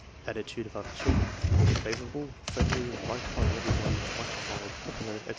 Attitude of other children. ''Favorable," "friendly," "liked by everybody," "much admired," "popular," etc.